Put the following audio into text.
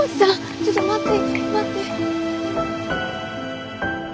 ちょっと待って待って。